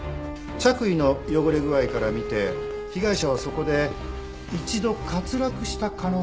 着衣の汚れ具合から見て被害者はそこで一度滑落した可能性があります。